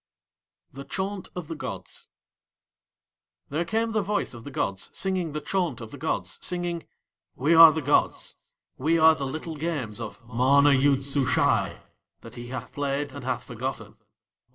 THE CHAUNT OF THE GODS There came the voice of the gods singing the chaunt of the gods, singing: "We are the gods; We are the little games of MANA YOOD SUSHAI that he hath played and hath forgotten.